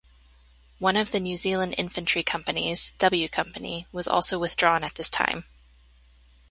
One of the New Zealand infantry companies-W Company-was also withdrawn at this time.